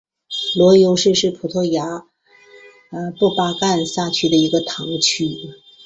罗尤什是葡萄牙布拉干萨区的一个堂区。